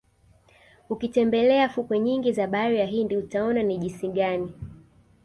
Ukitembelea fukwe nyingi za Bahari ya Hindi utaona ni jisi gani